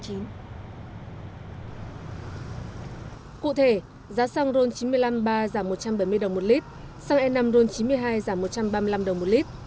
cụ thể giá xăng ron chín mươi năm ba giảm một trăm bảy mươi đồng một lit xăng e năm ron chín mươi hai giảm một trăm ba mươi năm đồng một lit